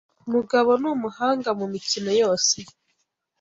Mugabo ni umuhanga mumikino yose.